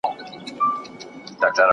څلور میلیون خلک هر کال په کولرا اخته کېږي.